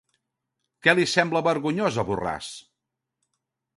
Què li sembla vergonyós a Borràs?